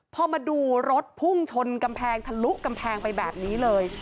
พอมาดูรถพุ่งชนกำแพงทะลุกำแพงไปแบบนี้เลย